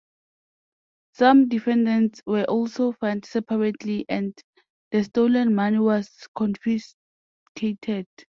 Some defendants were also fined separately and the stolen money was confiscated.